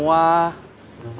kalo kan semua